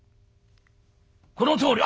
このとおり」。